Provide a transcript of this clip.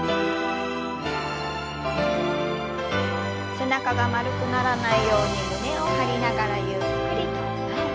背中が丸くならないように胸を張りながらゆっくりと前。